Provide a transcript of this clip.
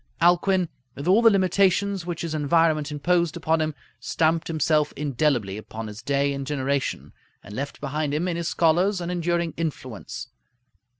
Alcuin, with all the limitations which his environment imposed upon him, stamped himself indelibly upon his day and generation, and left behind him, in his scholars, an enduring influence.